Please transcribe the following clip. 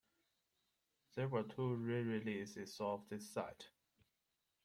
There were two rereleases of this set.